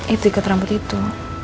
itu ikat rambut itu